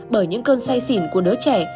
bởi những cơn say xỉn của đứa trẻ